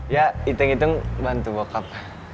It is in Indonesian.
ya hitung hitung bantu bokap